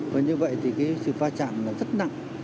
và như vậy thì cái sự va chạm là rất nặng